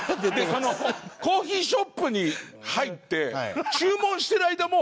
コーヒーショップに入って注文してる間も。